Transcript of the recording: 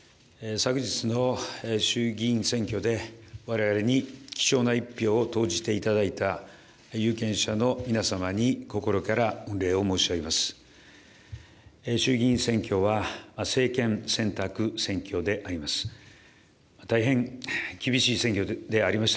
昨日の衆議院選挙で、われわれに貴重な１票を投じていただいた有権者の皆様に、心から御礼を申し上げます。